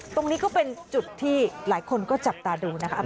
ตรงนี้ก็เป็นจุดที่หลายคนก็จับตาดูนะคะ